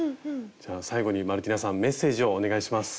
じゃあ最後にマルティナさんメッセージをお願いします。